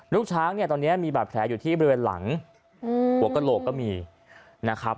ลูกช้างเนี่ยตอนนี้มีบาดแผลอยู่ที่บริเวณหลังหัวกระโหลกก็มีนะครับ